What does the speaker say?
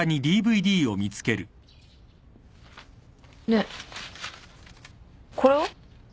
ねえこれは？